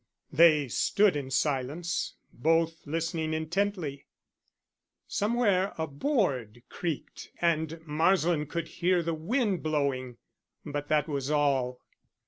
They stood in silence, both listening intently. Somewhere a board creaked, and Marsland could hear the wind blowing, but that was all.